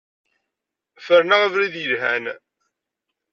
Ferneɣ abrid yelhan.